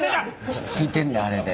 ひっついてんねあれで。